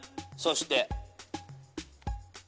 そして。